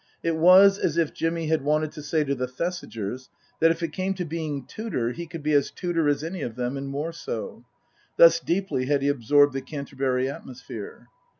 It was as if Jimmy had wanted to say to the Thesigers that if it came to being Tudor, he could be as Tudor as any of them, and more so. Thus deeply had he absorbed the Canterbury atmosphere.